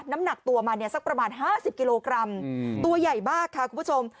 น้ำหนักตัวมันเนี่ยสักประมาณ๕๐กิโลกรัมตัวใหญ่มากค่ะคุณผู้ชม